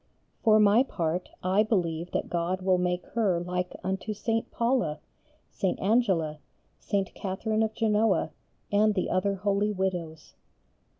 For my part I believe that God will make her like unto St. Paula, St. Angela, St. Catherine of Genoa, and the other holy widows."